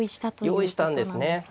用意したんですね。